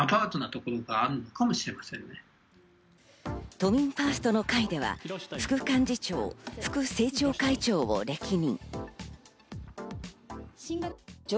都民ファーストの会では副幹事長・副政調会長を歴任。